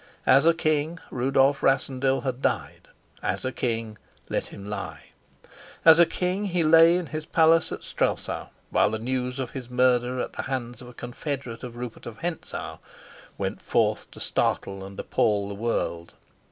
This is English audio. As a king Rudolf Rassendyll had died, as a king let him lie. As a king he lay in his palace at Strelsau, while the news of his murder at the hands of a confederate of Rupert of Hentzau went forth to startle and appall the world.